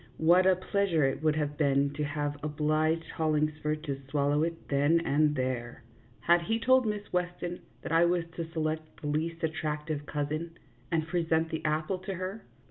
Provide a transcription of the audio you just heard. What a pleasure it would have been to have obliged Hollingsford to swallow it then and there ! Had he told Miss Weston that I was to select the least attractive cousin, and present the apple to her